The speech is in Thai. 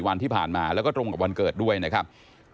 วันที่ผ่านมาแล้วก็ตรงกับวันเกิดด้วยนะครับ